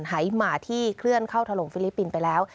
หายหมาที่เคลื่อนเข้าถล่มฟิลิปปินส์ไปแล้ว